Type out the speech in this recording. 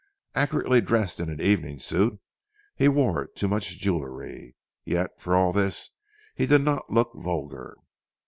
Accurately dressed in an evening suit, he wore too much jewellery. Yet for all this he did not look vulgar.